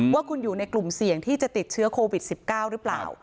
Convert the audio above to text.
ว่าคุณอยู่ในกลุ่มเสี่ยงที่จะติดเชื้อโควิด๑๙หรือเปล่า